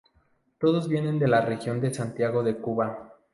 Todos vienen de la región de Santiago de Cuba.